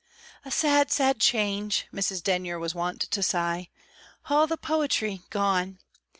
"A sad, sad change!" Mrs. Denyer was wont to sigh. "All the poetry gone!